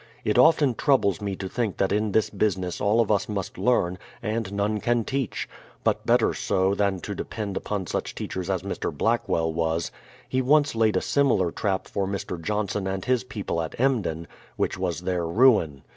It often troubles me to think that in this business all of us must learn, and none can teach; but better so, than to depend upon such teachers as Mr. Blackwell was. He once laid a similar trap for Mr. Johnson and his people at Emden, — which was their ruin.